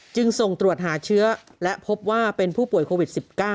จึงส่งตรวจหาเชื้อและพบว่าเป็นผู้ป่วยโควิด๑๙